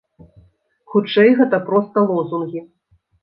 Хутчэй гэта проста лозунгі.